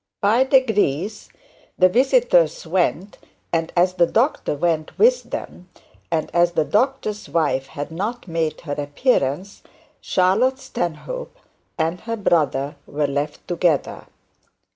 By degrees the visitors went, and as the doctor went with them, and as the doctor's wife had not made her appearance, Charlotte Stanhope and her brother were left together.